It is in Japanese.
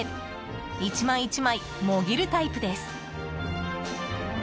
１枚、１枚もぎるタイプです。